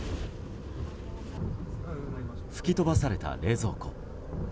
吹き飛ばされた冷蔵庫。